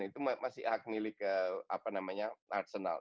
itu masih hak milik arsenal